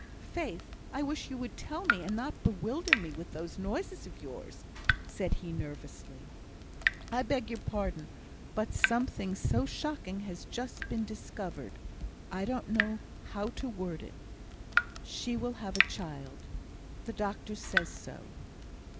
"Faith, I wish you would tell me, and not bewilder me with those noises of yours," said he, nervously. "I beg your pardon; but something so shocking has just been discovered I don't know how to word it She will have a child. The doctor says so."